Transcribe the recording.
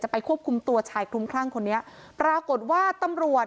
ไปควบคุมตัวชายคลุมคลั่งคนนี้ปรากฏว่าตำรวจ